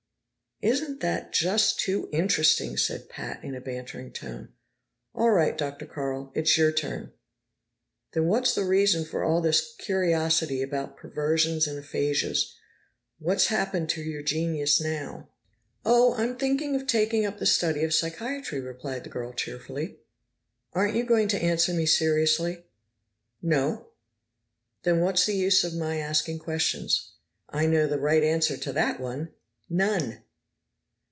"Isn't that just too interesting!" said Pat in a bantering tone. "All right, Dr. Carl. It's your turn." "Then what's the reason for all this curiosity about perversions and aphasias? What's happened to your genius now?" "Oh, I'm thinking of taking up the study of psychiatry," replied the girl cheerfully. "Aren't you going to answer me seriously?" "No." "Then what's the use of my asking questions?" "I know the right answer to that one. None!"